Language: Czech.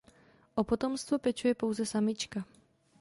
O potomstvo pečuje pouze samička.